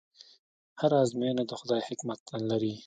هره ازموینه د خدای حکمت لري.